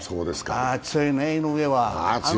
強いね、井上は。